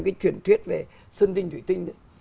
cái truyền thuyết về xuân tinh thủy tinh